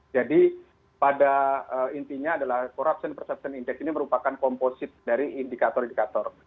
jadi pada intinya adalah corruption perception index ini merupakan komposit dari indikator indikator